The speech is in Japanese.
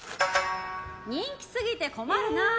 人気過ぎて困るなぁ。